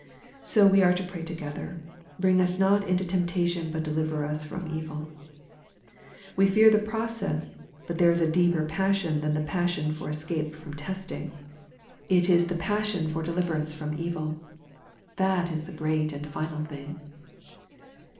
So we are to pray together " Bring us not into temptation, but deliver us from evil." We fear the process, but there is a deeper passion than the passion for escape from testing, it is the pas 102 THE PEACTICE OF PEAYER sion for deliverance from evil. That is the great and final thing.